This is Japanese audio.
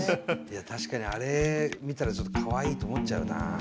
確かにあれ見たらちょっとかわいいと思っちゃうなあ。